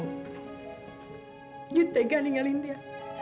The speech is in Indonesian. kamu tidak akan meninggalin dia